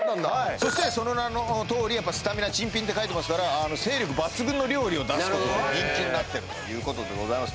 そしてその名のとおり「スタミナ珍品」って書いてますから精力抜群の料理を出すことで人気になってるということでございます